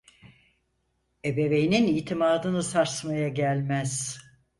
Ebeveynin itimadını sarsmaya gelmez.